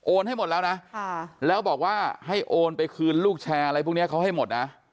ให้หมดแล้วนะแล้วบอกว่าให้โอนไปคืนลูกแชร์อะไรพวกนี้เขาให้หมดนะ